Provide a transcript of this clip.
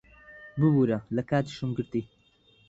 ببوورە، لە کاتیشم گرتی.